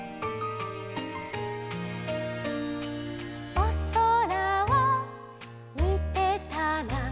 「おそらをみてたら」